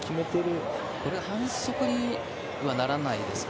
これは反則にはならないですか？